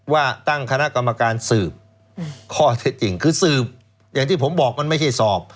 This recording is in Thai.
ว่าตั้งคณะกรรมการสืบข้อเท็จจริงคือสืบอย่างที่ผมบอกมันไม่ใช่สอบ